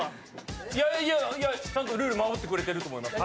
ルール守ってくれていると思います。